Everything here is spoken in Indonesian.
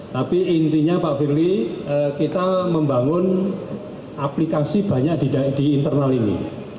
tapi intinya pak firly kita membangun aplikasi banyak di internal ini